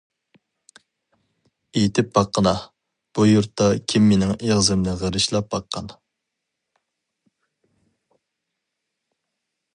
ئېيتىپ باققىنا؟ بۇ يۇرتتا كىم مېنىڭ ئېغىزىمنى غېرىچلاپ باققان.